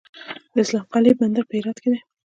د اسلام قلعه بندر په هرات کې دی